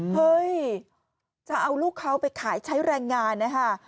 เฮ้ยจะเอาลูกเขาไปขายใช้แรงงานนะคะ